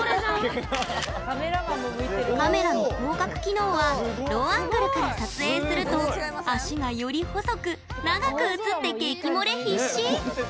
カメラの広角機能はローアングルから撮影すると足が、より細く長く写って激盛れ必至！